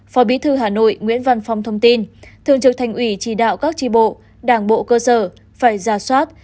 phó bí thư hà nội nguyễn văn phong thông tin thường trực thành ủy chỉ đạo các tri bộ đảng bộ cơ sở phải ra soát